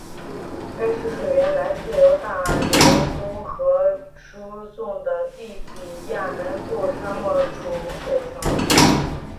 该市水源来自由大人工河输送的利比亚南部沙漠蓄水层。